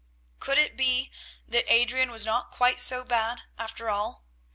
Could it be that Adrian was not quite so bad after all?